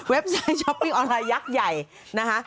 ไซต์ช้อปปิ้งออนไลน์ยักษ์ใหญ่นะคะ